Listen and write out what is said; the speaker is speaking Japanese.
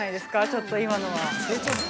ちょっと今のは。